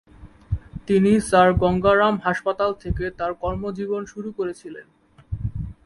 তিনি স্যার গঙ্গা রাম হাসপাতাল থেকে তার কর্মজীবন শুরু করেছিলেন।